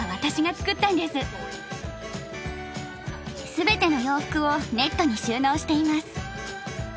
全ての洋服をネットに収納しています。